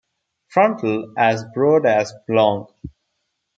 Frontal as broad as long.